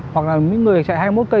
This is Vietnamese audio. hoặc là những người chạy hai mươi một cây